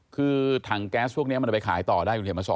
คือถังแก๊สพวกนี้มันเอาไปขายต่อได้คุณเขียนมาสอน